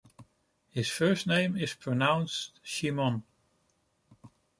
His first name is pronounced "Shimon".